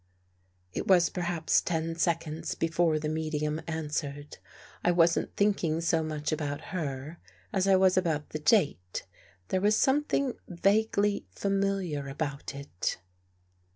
It was perhaps ten seconds before the medium answered. I wasn't thinking so much about her as I was about the date; there was something vaguely familiar about it.